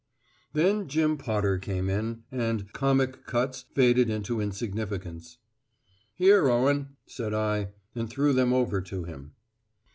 Then Jim Potter came in, and Comic Cuts faded into insignificance. "Here, Owen," said I, and threw them over to him.